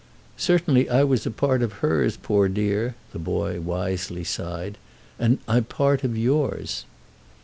"Certainly I was a part of hers, poor dear!" the boy wisely sighed. "And I'm part of yours."